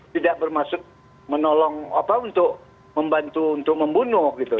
tidak bermaksud menolong apa untuk membantu untuk membunuh gitu